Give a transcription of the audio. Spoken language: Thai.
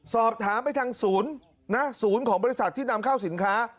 สอบถามไปทางศูนย์นะศูนย์ของบริษัทที่นำเข้าสินค้า